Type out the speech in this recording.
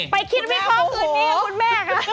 ไปคิดไว้คล้องอื่นนี้กับคุณแม่ค่ะ